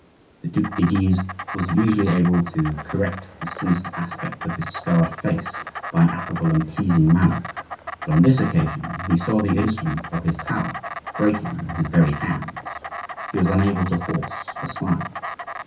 The Duc de Guise was usually able to correct the sinister aspect of his scarred face by an affable and pleasing manner, but on this occasion, when he saw the instrument of his power breaking in his very hands, he was unable to force a smile.